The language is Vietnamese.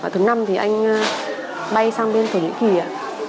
thứ năm anh bay sang bên thổ nhĩ kỳ